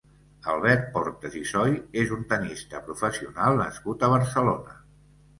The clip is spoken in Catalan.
Albert Portas i Soy és un tennista professional nascut a Barcelona.